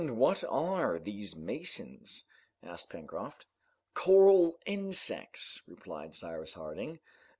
"And what are these masons?" asked Pencroft. "Coral insects," replied Cyrus Harding.